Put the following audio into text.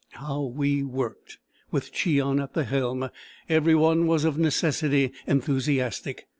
How we worked! With Cheon at the helm, every one was of necessity enthusiastic.